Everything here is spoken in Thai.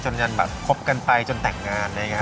จนกันแบบคบกันไปจนแต่งงานไหมครับ